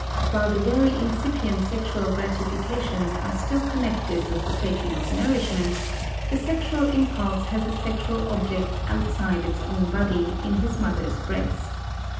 While the very incipient sexual gratifications are still connected with the taking of nourishment, the sexual impulse has a sexual object outside its own body in his mother's breast.